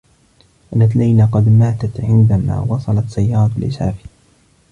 كانت ليلى قد ماتت عندما وصلت سيّارة الإسعاف.